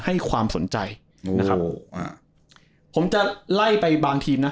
ให้ความสนใจนะครับผมจะไล่ไปบางทีมนะ